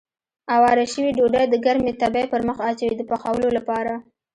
اواره شوې ډوډۍ د ګرمې تبۍ پر مخ اچوي د پخولو لپاره.